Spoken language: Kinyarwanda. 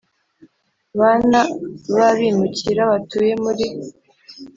bana b abimukira batuye muri